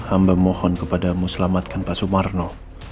amba mohon kepada mu selamatkan pak sumarno